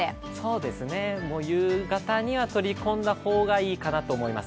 そうですね、夕方には取り込んだ方がいいかなと思います。